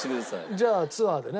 じゃあツアーでね。